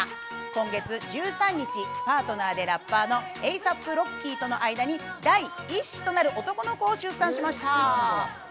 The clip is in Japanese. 今月１３日、パートナーでラッパーのエイサップ・ロッキーとの間に第一子となる男の子を出産しました。